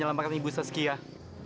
selamatkan ibu soskiah